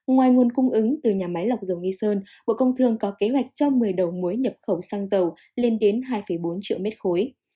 ngoài nguồn cung ứng từ nhà máy lọc dầu nghi sơn bộ công thương có kế hoạch cho một mươi đầu mối nhập khẩu xăng dầu lên đến hai bốn triệu mét khối